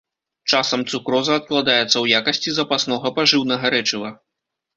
Часам цукроза адкладаецца ў якасці запаснога пажыўнага рэчыва.